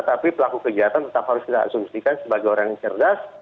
tapi pelaku kegiatan tetap harus kita asumsikan sebagai orang yang cerdas